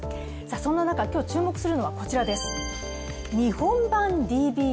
そんな中今日注目するのは、こちらです。